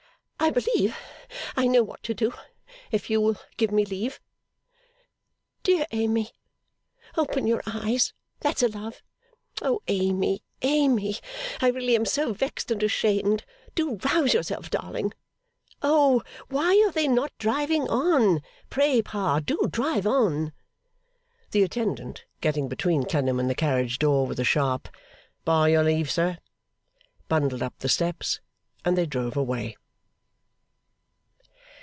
'I believe I know what to do, if you will give me leave. Dear Amy, open your eyes, that's a love! Oh, Amy, Amy, I really am so vexed and ashamed! Do rouse yourself, darling! Oh, why are they not driving on! Pray, Pa, do drive on!' The attendant, getting between Clennam and the carriage door, with a sharp 'By your leave, sir!' bundled up the steps, and they drove away.